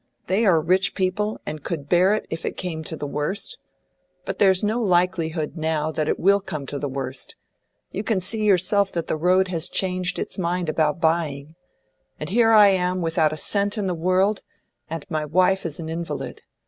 They are rich people, and could bear it if it came to the worst. But there's no likelihood, now, that it will come to the worst; you can see yourself that the Road has changed its mind about buying. And here am I without a cent in the world; and my wife is an invalid.